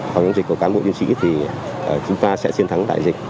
của nhân dịch của cán bộ nhân dịch thì chúng ta sẽ chiến thắng đại dịch